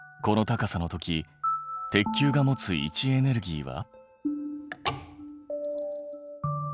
この高さの時鉄球が持つ位置エネルギーは。